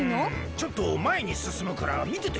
ちょっとまえにすすむからみててくれ！